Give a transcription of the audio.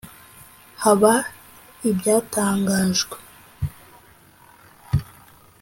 Haba ibyatangajwe